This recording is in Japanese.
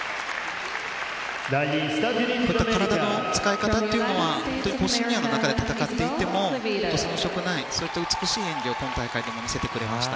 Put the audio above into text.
こういった体の使い方というのはシニアの中で戦っていても遜色ないそういった美しい演技を今大会でも見せてくれました。